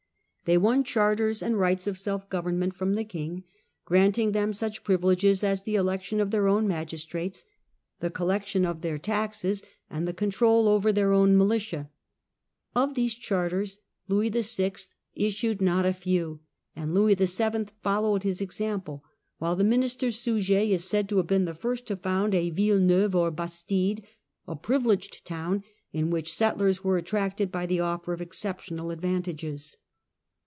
They won charters and rights of self government from the king, granting them such privileges as the election of their magistrates, the collec tion of their taxes, or the control over their militia. Of these charters Louis VI. issued not a few, and Louis VII. followed his example, while the minister Suger is said to have been the first to found a ville neuve or hastide, a privileged town to which settlers were attracted by the offer of exceptional advantages.